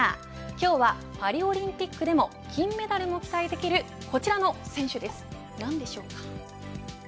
今日はパリオリンピックでも金メダルの期待できる何でしょうか。